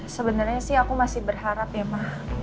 sebenarnya sih aku masih berharap ya pak